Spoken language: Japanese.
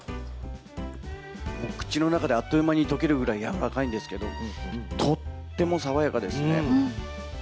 口の中であっという間に溶けるぐらい柔らかいんですけど、とっても爽やかですね。